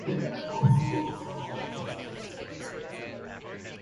Different viruses cause different symptoms.